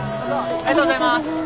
ありがとうございます。